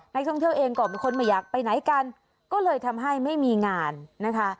นักท่องเที่ยวเองก็เป็นคนไม่อยากไปไหนกันก็เลยทำให้ไม่มีงานนะคะ